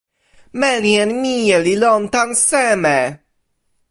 meli en mije li lon tan seme?